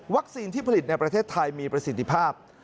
ที่ผลิตในประเทศไทยมีประสิทธิภาพ